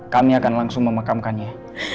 kami akan langsung memakamkannya